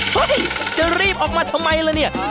เฮ้ยจะรีบออกมาทำไมล่ะเนี่ย